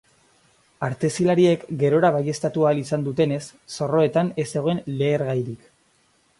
Artezilariek gerora baieztatu ahal izan dutenez, zorroetan ez zegoen lehergairik.